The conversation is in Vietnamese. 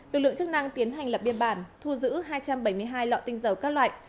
lực lượng chức năng tiến hành lập biên bản thu giữ hai trăm bảy mươi hai lọ tinh dầu các loại